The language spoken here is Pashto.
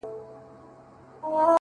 خو له بده مرغه اوس پر کابل